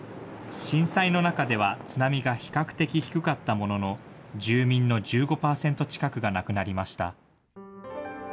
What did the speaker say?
震災の中では津波が比較的低かったものの、住民の１５％近くが亡くなりました。